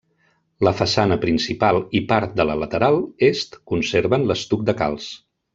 La façana principal i part de la lateral est conserven l'estuc de calç.